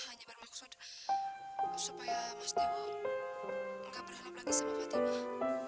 hanya bermaksud supaya mas dewo enggak berharap lagi sama fatimah